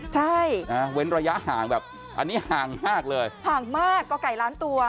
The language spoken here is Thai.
ใช่นะเว้นระยะห่างแบบอันนี้ห่างมากเลยห่างมากก็ไก่ล้านตัว